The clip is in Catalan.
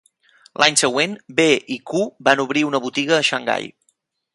L'any següent, B i Q van obrir una botiga a Xangai.